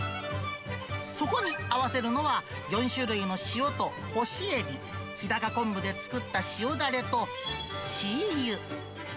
そこに合わせるのは、４種類の塩と干しエビ、日高昆布で作った塩だれとチー油。